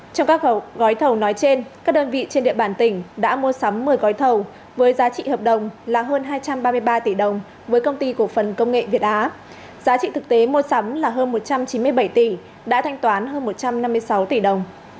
trong các gói thầu nói trên các đơn vị trên địa bàn tỉnh đã mua sắm một mươi gói thầu với giá trị hợp đồng là hơn hai trăm ba mươi ba tỷ đồng với công ty cổ phần công nghệ việt á giá trị thực tế mua sắm là hơn một trăm chín mươi bảy tỷ đã thanh toán hơn một trăm năm mươi sáu tỷ đồng